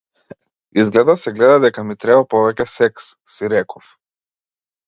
Изгледа се гледа дека ми треба повеќе секс, си реков.